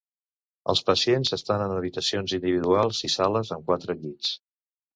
Els pacients s'estaran en habitacions individuals i sales amb quatre llits.